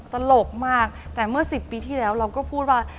ตลกมากแต่เมื่อ๑๐ปีที่แล้วเราก็พูดว่า